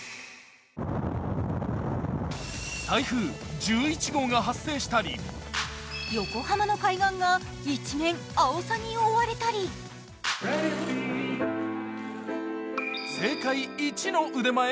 台風１１号が発生したり横浜の海岸が一面アオサに覆われたり政界一の腕前？